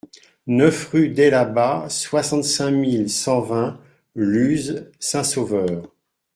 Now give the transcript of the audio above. neuf rue dets Labats, soixante-cinq mille cent vingt Luz-Saint-Sauveur